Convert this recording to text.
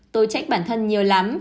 tôi trách bản thân nhiều lắm